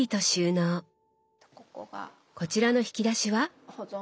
こちらの引き出しは？